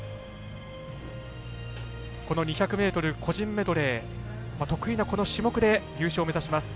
この２００ｍ個人メドレー得意な種目で優勝を目指します。